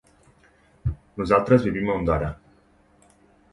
Nosaltres vivim a Ondara.